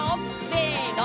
せの！